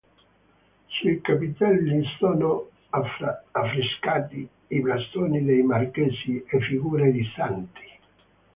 Sui capitelli sono affrescati i blasoni dei marchesi e figure di santi.